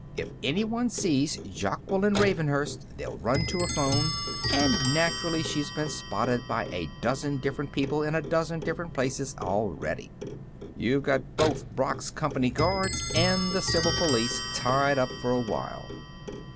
If anyone sees Jaqueline Ravenhurst, they'll run to a phone, and naturally she's been spotted by a dozen different people in a dozen different places already. "You've got both Brock's Company guards and the civil police tied up for a while."